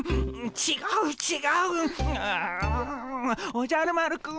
おじゃる丸くん。